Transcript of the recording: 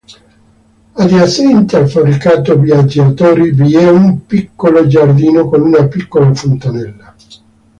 Adiacente al fabbricato viaggiatori vi è un piccolo giardino con una piccola fontanella.